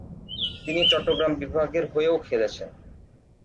তিনি চট্টগ্রাম বিভাগের হয়েও খেলছেন।